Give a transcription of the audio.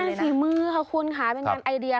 เป็นฝีมือค่ะคุณค่ะเป็นงานไอเดีย